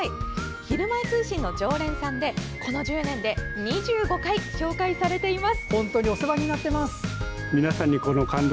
「ひるまえ通信」の常連さんでこの１０年で２５回紹介されています。